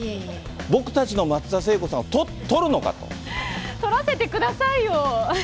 僕たちの松田聖子さんを取る取らせてくださいよ。